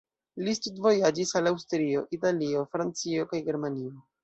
Li studvojaĝis al Aŭstrio, Italio, Francio kaj Germanio.